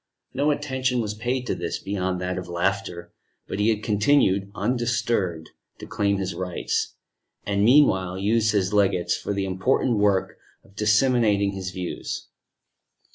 No attention was paid to this, beyond that of laughter; but he had continued, undisturbed, to claim his rights, and, meanwhile, used his legates for the important work of disseminating his views.